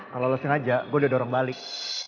kalo lo sengaja gue udah dorong balik